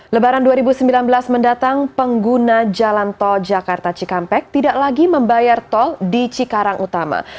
lebaran dua ribu sembilan belas mendatang pengguna jalan tol jakarta cikampek tidak lagi membayar tol di cikarang utama